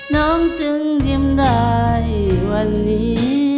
น้องจึงยิ้มได้วันนี้